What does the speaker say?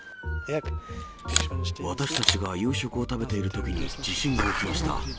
私たちが夕食を食べているときに地震が起きました。